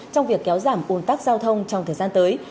trong việc kéo giảm ồn tắc giao thông trong thời gian tới